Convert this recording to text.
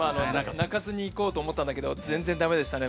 泣かずにいこうと思ったんだけど全然駄目でしたね。